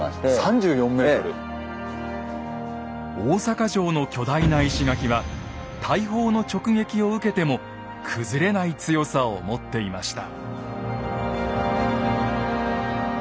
大坂城の巨大な石垣は大砲の直撃を受けても崩れない強さを持っていました。